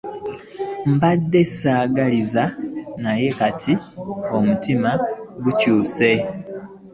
Mbadde ssaagaliza naye kati omutima gukyuse.